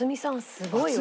すごいよ。